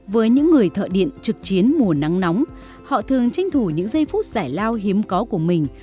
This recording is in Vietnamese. với những người thợ điện trực chiến mùa nắng nóng họ thường tranh thủ những giây phút giải lao hiếm có của mình